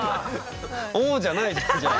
「おお」じゃないじゃんじゃあ。